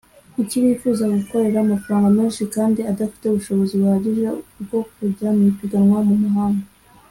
Kuki wifuza gukorera amafaranga menshi kandi udafite ubushobozi buhagije bwo kujya mwipiganwa mu mahanga